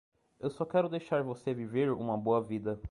Eu só quero deixar você viver uma boa vida.